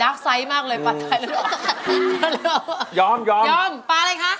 ดรอครั้งใหญ่มากเลยปัสตายเลือดออก